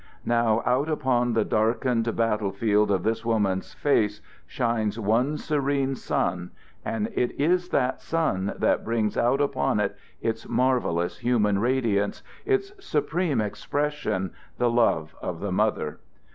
Now out upon the darkened battle field of this woman's face shines one serene sun, and it is that sun that brings out upon it its marvelous human radiance, its supreme expression: the love of the mother.